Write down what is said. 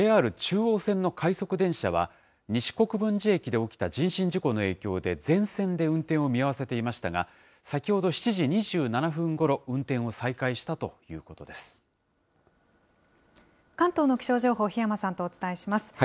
ＪＲ中央線の快速電車は西国分寺駅で起きた人身事故の影響で、全線で運転を見合わせていましたが、先ほど７時２７分ごろ、運転関東の気象情報、檜山さんとお伝えします。